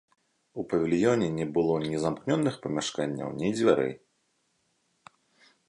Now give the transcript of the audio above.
У павільёне не было ні замкнёных памяшканняў, ні дзвярэй.